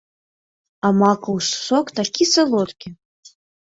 А макаў сок такі салодкі!